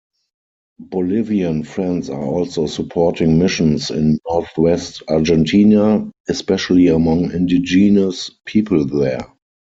Bolivian Friends are also supporting missions in northwest Argentina, especially among indigenous people there.